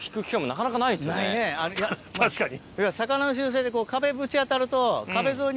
確かに。